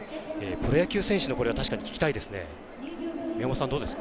プロ野球選手に確かに聞きたいですね。